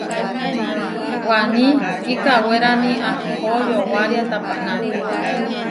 Waní kikawérani ahpó yowária tapaná.